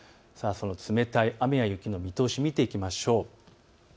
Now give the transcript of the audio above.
冷たい雨や雪の見通しを見ていきましょう。